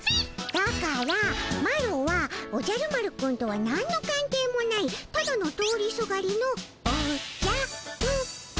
だからマロはおじゃる丸くんとはなんのかん係もないただの通りすがりのおじゃる子ちゃん。